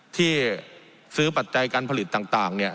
ที่ซื้อปัจจัยการผลิตต่างเนี่ย